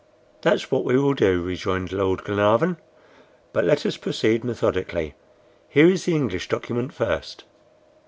"That's what we will do," rejoined Lord Glenarvan; "but let us proceed methodically. Here is the English document first."